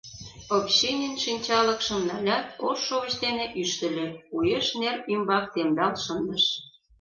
Овчинин шинчалыкшым налят, ош шовыч дене ӱштыльӧ, уэш нер ӱмбак темдал шындыш.